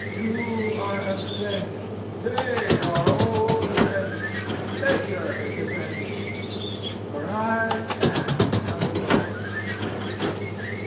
You are avenged, they are all avenged, Nature is avenged; for I am Eleanore Rochcliffe."